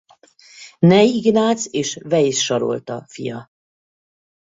Ney Ignác és Weisz Sarolta fia.